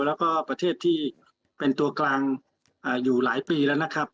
แล้วก็ประเทศที่เป็นตัวกลางอยู่หลายปีแล้วนะครับ